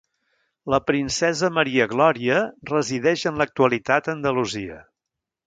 La princesa Maria Glòria resideix en l'actualitat a Andalusia.